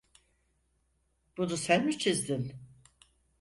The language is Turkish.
Bunu sen mi çizdin?